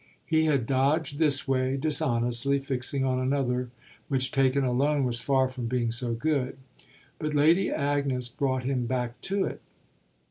He had dodged this way, dishonestly fixing on another which, taken alone, was far from being so good; but Lady Agnes brought him back to it.